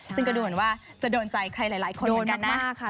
ซึ่งก็ดูเหมือนว่าจะโดนใจใครหลายคนเหมือนกันนะ